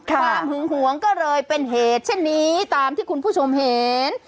หึงหวงก็เลยเป็นเหตุเช่นนี้ตามที่คุณผู้ชมเห็น